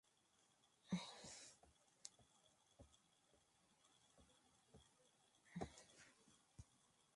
Existen yacimientos de hierro y magnetita.